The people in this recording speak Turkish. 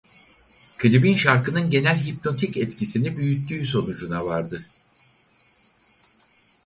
Klibin şarkının genel "hipnotik" etkisini "büyüttüğü" sonucuna vardı.